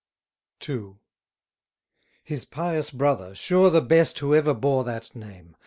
II. His pious brother, sure the best Who ever bore that name!